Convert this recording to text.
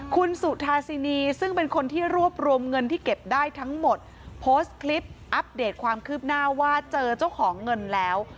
คุณสุธาซินีซึ่งเป็นคนที่รวบรวมเงินที่เก็บได้ทั้งหมดโพสต์คลิปอัปเดตความคืบหน้าว่าเจอเจ้าของเงินแล้ว